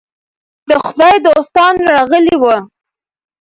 د خدای دوستان راغلي وو.